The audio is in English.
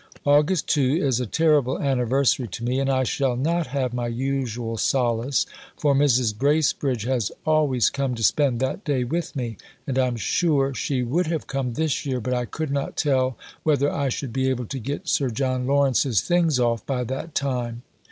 August 2 is a terrible anniversary to me. And I shall not have my usual solace, for Mrs. Bracebridge has always come to spend that day with me, and I am sure she would have come this year, but I could not tell whether I should be able to get Sir John Lawrence's things off by that time.